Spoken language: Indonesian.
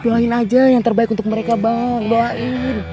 doain aja yang terbaik untuk mereka bang doain